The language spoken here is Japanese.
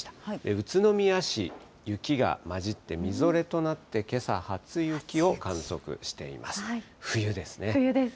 宇都宮市、雪が交じってみぞれとなって、けさ初雪を観測しています。